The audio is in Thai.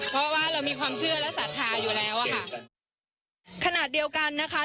เพราะว่าเรามีความเชื่อและศรัทธาอยู่แล้วอะค่ะขณะเดียวกันนะคะ